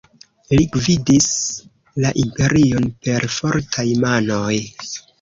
Li gvidis la imperion per fortaj manoj.